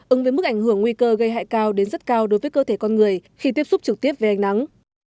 ứng với mức ảnh hưởng nguy cơ gây hại cao đến rất cao đối với cơ thể con người khi tiếp xúc trực tiếp với ánh nắng